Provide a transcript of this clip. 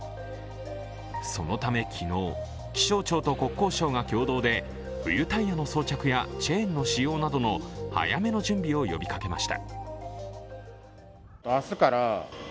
そのため昨日、気象庁と国交省が共同で冬タイヤの装着やチェーンの使用などの早めの準備を呼びかけました。